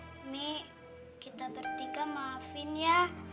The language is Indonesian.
ini kita bertiga maafin ya